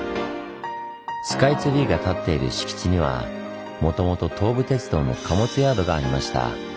スカイツリーが立っている敷地にはもともと東武鉄道の貨物ヤードがありました。